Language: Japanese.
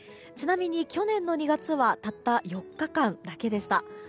ちなみに去年の２月はたった４日間だけでした。